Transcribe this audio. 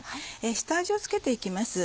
下味を付けていきます。